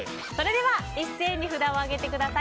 一斉に札を上げてください。